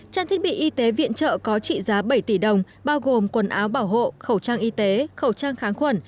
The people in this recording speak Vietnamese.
trang thiết bị y tế viện trợ có trị giá bảy tỷ đồng bao gồm quần áo bảo hộ khẩu trang y tế khẩu trang kháng khuẩn